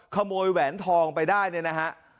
แหวนทองไปได้เนี่ยนะฮะ